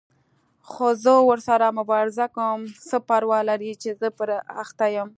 خو زه ورسره مبارزه کوم، څه پروا لري چې زه پرې اخته یم.